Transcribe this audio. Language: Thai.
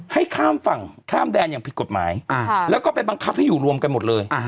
ให้ข้ามฝั่งข้ามแดนอย่างผิดกฎหมายแล้วก็ไปบังคับให้อยู่รวมกันหมดเลย